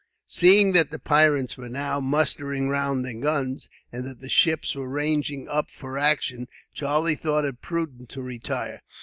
Seeing that the pirates were now mustering round their guns, and that the ships were ranging up for action, Charlie thought it prudent to retire.